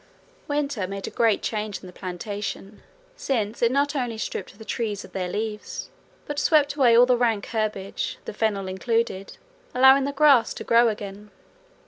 Winter made a great change in the plantation, since it not only stripped the trees of their leaves but swept away all that rank herbage, the fennel included, allowing the grass to grow again.